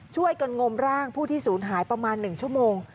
ช่วยกันงมร่างผู้ที่ศูนย์หายประมาณ๑ชั่วโมง